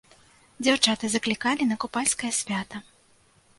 Дзяўчаты заклікалі на купальскае свята.